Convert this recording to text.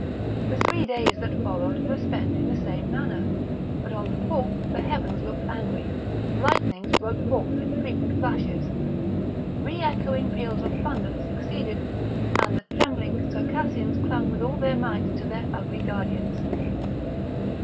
The three days that followed were spent in the same manner; but on the fourth the heavens looked angry, lightnings broke forth in frequent flashes, re echoing peals of thunder succeeded, and the trembling Circassians clung with all their might to their ugly guardians.